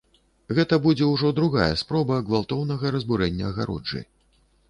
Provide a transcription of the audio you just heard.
Гэта будзе ўжо другая спроба гвалтоўнага разбурэння агароджы.